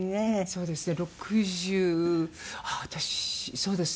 そうですね。